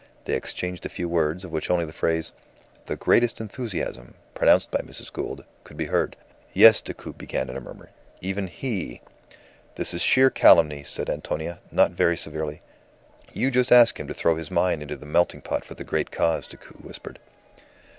They exchanged a few words, of which only the phrase, "The greatest enthusiasm," pronounced by Mrs. Gould, could be heard. "Yes," Decoud began in a murmur. "Even he!" "This is sheer calumny," said Antonia, not very severely. "You just ask him to throw his mine into the melting pot for the great cause," Decoud whispered.